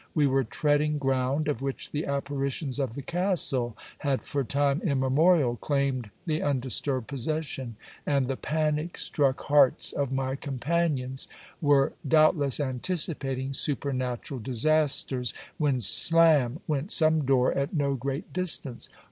We were treading ground, of which the apparitions of the castle had for time immemorial claimed the undisturbed possession; and the panic struck hearts of my companions were doubtless anticipating supernatural disasters, when slam went some door at no great distance.